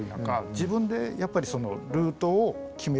自分でやっぱりそのルートを決めれる。